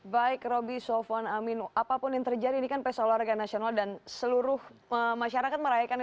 baik roby sofwan amin apapun yang terjadi ini kan pesta olahraga nasional dan seluruh masyarakat merayakannya